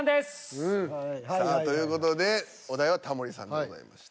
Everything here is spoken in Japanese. さあという事でお題はタモリさんでございました。